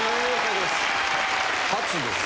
初です。